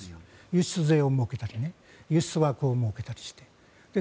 輸出税を設けたり輸出枠を設けたりして。